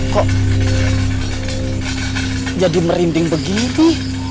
kok jadi merinding begini